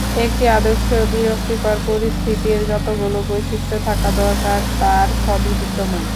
একটি আদর্শ বিরক্তিকর পরিস্থিতির যতগুলো বৈশিষ্ট্য থাকা দরকার, তার সবই বিদ্যমান।